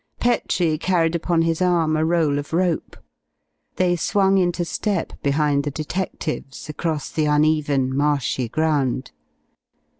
Petrie carried upon his arm a roll of rope. They swung into step behind the detectives, across the uneven, marshy ground.